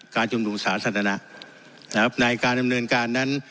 การชุมนุมสาธารณะในการบริเวณการนั้น